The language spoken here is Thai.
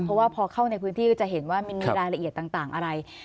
เพราะว่าพอเข้าในพื้นที่ก็จะเห็นว่ามันมีรายละเอียดต่างอะไร